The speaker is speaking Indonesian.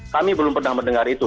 kami belum pernah mendengar itu